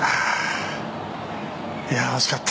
いやあ、惜しかった。